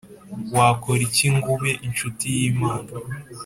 Wakora iki ngo ube incuti y Imana